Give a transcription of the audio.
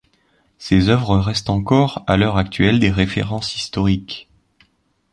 Ces œuvres restent encore à l’heure actuelle des références historiques.